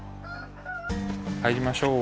はいりましょう。